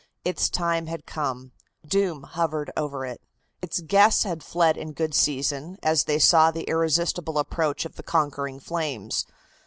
Its time had come. Doom hovered over it. Its guests had fled in good season, as they saw the irresistible approach of the conquering flames.